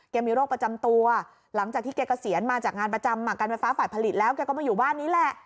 มีโรคประจำตัวหลังจากที่แกเกษียณมาจากงานประจำการไฟฟ้าฝ่ายผลิตแล้วแกก็มาอยู่บ้านนี้แหละ